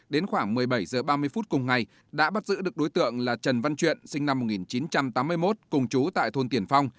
đến khoảng một mươi bảy h ba mươi phút cùng ngày đã bắt giữ được đối tượng là trần văn truyện sinh năm một nghìn chín trăm tám mươi một cùng chú tại thôn tiển phong